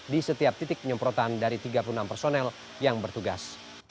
di setiap titik penyemprotan dari tiga puluh enam personel yang bertugas